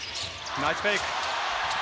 ナイスフェイク。